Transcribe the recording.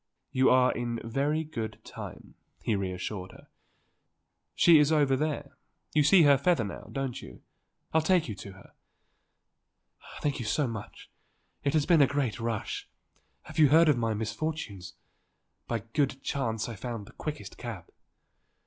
"You are in very good time," he reassured her. "She is over there you see her feather now, don't you. I'll take you to her." "Thank you so much. It has been a great rush. You have heard of the misfortunes? By good chance I found the quickest cab."